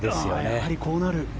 やはりこうなる。